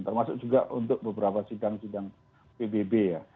termasuk juga untuk beberapa sidang sidang pbb ya